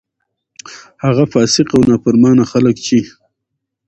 هغه فاسق او نا فرمانه خلک چې: